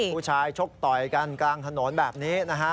ผู้ชายชกต่อยกันกลางถนนแบบนี้นะฮะ